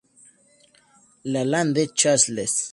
La Lande-Chasles